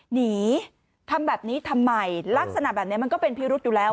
หนีทำแบบนี้ทำไมลักษณะแบบนี้มันก็เป็นพิรุษอยู่แล้ว